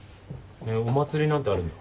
お祭りなんてあるんだ。